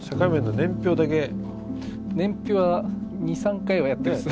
年表は２３回はやってるっす。